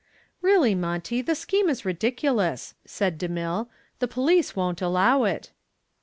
"Really, Monty, the scheme is ridiculous," said DeMille, "the police won't allow it."